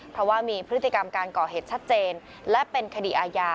เพราะว่ามีพฤติกรรมการก่อเหตุชัดเจนและเป็นคดีอาญา